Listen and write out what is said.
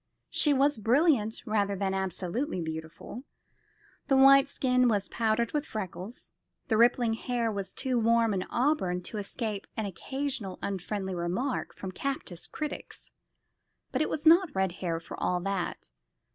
She was brilliant rather than absolutely beautiful. The white skin was powdered with freckles. The rippling hair was too warm an auburn to escape an occasional unfriendly remark from captious critics; but it was not red hair for all that.